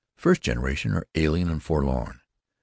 The first generation are alien and forlorn.